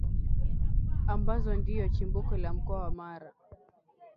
ambazo ndiyo chimbuko la Mkoa wa Mara